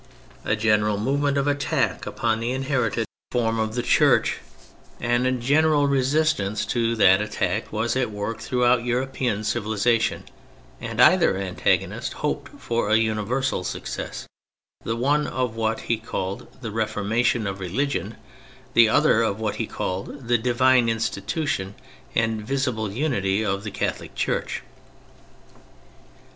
A general movement of attack upon the inherited THE CATHOLIC CHURCH 223 form of the Church, and a general resistance to that attack, was at work throughout European civilisation ; and either antagonist hoped for a universal success, the one of what he called " The Reformation of religion," the other of what he called " The Divine Institution and visible unity of the Catholic Church."